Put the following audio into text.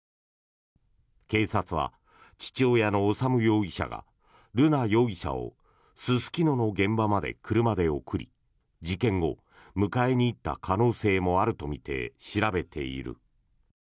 警察は、父親の修容疑者が瑠奈容疑者をすすきのの現場まで車で送り事件後、迎えに行った可能性もあるとみて調べている。